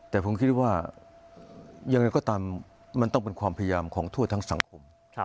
แต่ผมคิดว่ายังไงก็ตามมันต้องเป็นความพยายามของทั่วทั้งสังคม